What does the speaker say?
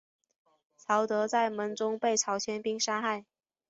曹德在门中被陶谦兵杀害。